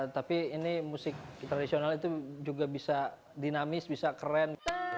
tapi ini musik tradisional itu juga bisa dinamis bisa keren